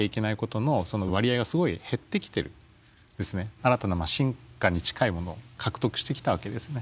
新たな進化に近いものを獲得してきたわけですね。